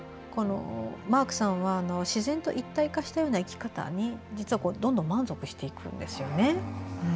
マークさんは自然と一体化したような生き方に実はどんどん満足していくんですよね。